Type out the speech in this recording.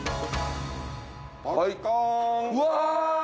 うわ！